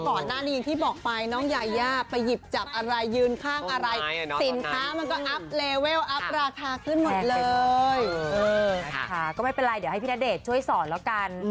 ก็ไม่เป็นไรเดี๋ยวให้พี่ณเดชน์ช่วยสอนแล้วกัน